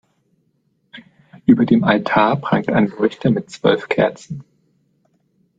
Über dem Altar prangt ein Leuchter mit zwölf Kerzen.